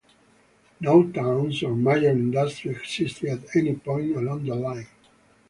No towns or major industries existed at any point along the line.